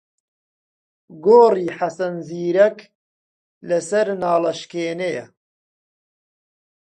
گۆڕی حەسەن زیرەک لەسەر ناڵەشکێنەیە.